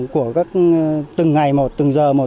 của các từng ngày một từng giờ một